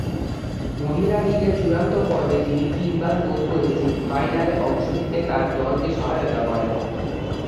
মহিলা লীগের চূড়ান্ত পর্বে তিনি তিনবার গোল করে সেমিফাইনালে অংশ নিতে তার দলকে সহায়তা করেন।